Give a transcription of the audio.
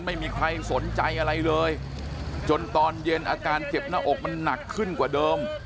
ไม่มีใครสนใจอะไรเลยจนตอนเย็นอาการเจ็บหน้าอกมันหนักขึ้นกว่าเดิม